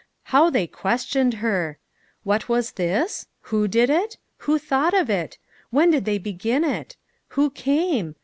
How they questioned her? What was this ? Who did it ? Who thought of it ? When did they begin it? Who came?